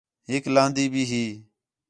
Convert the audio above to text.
ہِک لہن٘دی بھی ہئی